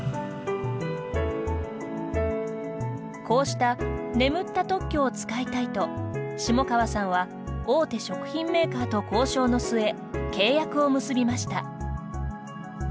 こうした眠った特許を使いたいと下川さんは大手食品メーカーと交渉の末契約を結びました。